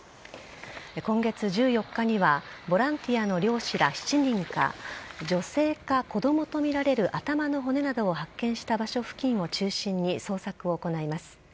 今月１４日にはボランティアの漁師ら７人が女性が子供とみられる頭の骨などを発見した場所付近を中心に捜索を行います。